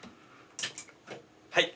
はい。